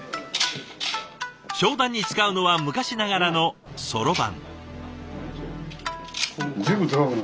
商談に使うのは昔ながらのそろばん。